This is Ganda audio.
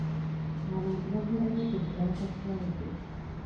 Abantu bagula nnyo ku Black Friday.